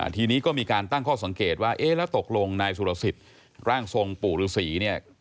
ทีนี้ก็มีการตั้งข้อสังเกตว่าเอ๊ะแล้วตกลงนายสุรสิทธิ์ร่างทรงปู่ฤษีเนี่ย